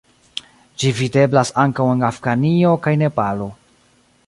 Ĝi videblas ankaŭ en Afganio kaj Nepalo.